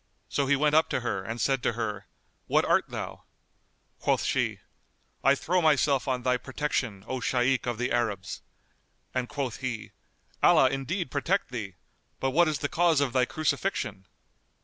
So he went up to her and said to her, "What art thou?" Quoth she, "I throw myself on thy protection, O Shaykh of the Arabs!" and quoth he, "Allah indeed protect thee! But what is the cause of thy crucifixion?"